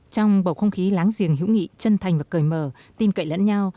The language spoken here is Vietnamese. trong bầu không khí láng giềng hữu nghị chân thành và cởi mở tin cậy lẫn nhau